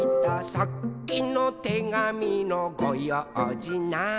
「さっきのてがみのごようじなーに」